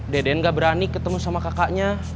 deden gak berani ketemu sama kakaknya